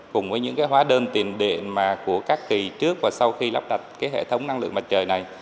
cùng với những hóa đơn tiền điện của các kỳ trước và sau khi lắp đặt hệ thống năng lượng mặt trời này